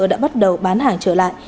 đã bắt đầu bán hàng trở lại